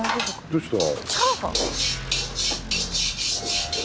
どうした？